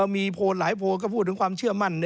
มีโพลหลายโพลก็พูดถึงความเชื่อมั่น